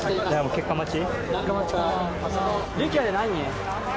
結果待ち？